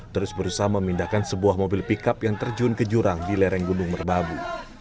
terus berusaha memindahkan sebuah mobil pickup yang terjun ke jurang di lereng gunung merbabu